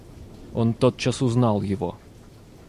Он тотчас узнал его.